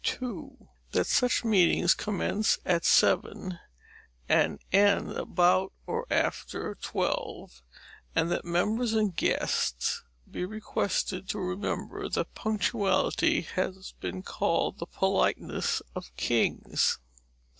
RULE II. That such meetings commence at seven and end about or after twelve, and that members and guests be requested to remember that punctuality has been called the politeness of kings.